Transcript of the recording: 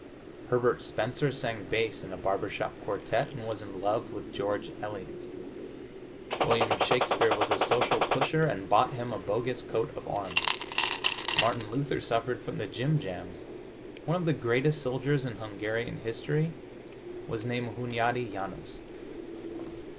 Herbert Spencer sang bass in a barber shop quartette and was in love with George Eliot. William Shakespeare was a social pusher and bought him a bogus coat of arms. Martin Luther suffered from the jim jams. One of the greatest soldiers in Hungarian history was named Hunjadi Janos....